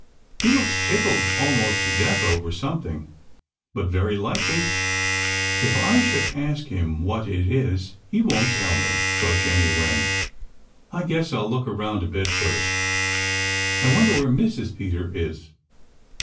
] "He looks tickled almost to death over something, but very likely if I should ask him what it is he wouldn't tell me," thought Jenny Wren. "I guess I'll look around a bit first. I wonder where Mrs. Peter is."